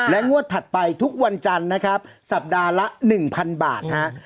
งวดถัดไปทุกวันจันทร์นะครับสัปดาห์ละ๑๐๐๐บาทฮะ